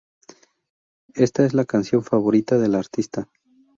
Esta es la canción favorita de la artista.